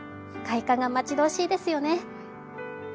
開花が待ち遠しいですよね。